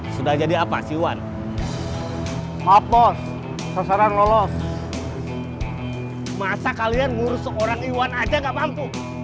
sudah jadi apa sih wan maaf bos sasaran lolos masa kalian ngurus seorang iwan aja nggak mampu